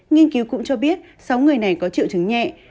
nghiên cứu cũng cho biết sáu người này có triệu chứng nhẹ